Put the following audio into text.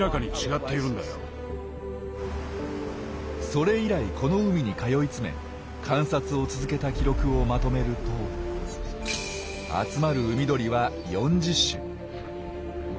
それ以来この海に通い詰め観察を続けた記録をまとめると集まる海鳥は４０種。